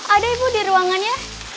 ada ibu di ruangannya